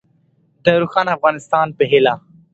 د روښانه افغانستان په هیله.